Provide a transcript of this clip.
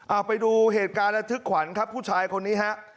เอาไปดูเหตุการณ์ระทึกขวัญครับผู้ชายคนนี้ฮะ